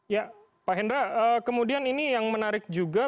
ya pak hendra kemudian ini yang menarik juga